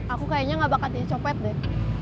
aku kayaknya gak bakal dicopet deh